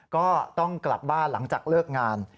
ก็ต้องกลับบ้านหลังจากเลิกงาน